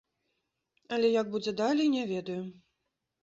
Але як будзе далей, не ведаю.